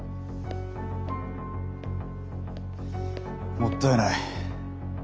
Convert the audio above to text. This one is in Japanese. もったいない。